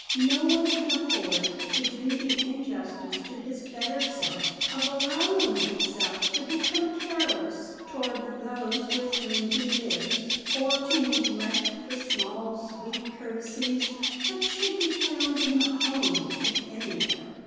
No one can afford to do the injustice to his better self of allowing himself to become careless toward those with whom he lives, or to neglect the small sweet courtesies that should be found in the home, if anywhere.